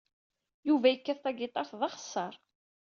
Yuba yekkat tagiṭart d axeṣṣar.